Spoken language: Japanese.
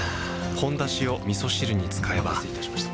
「ほんだし」をみそ汁に使えばお待たせいたしました。